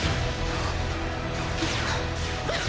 あっ。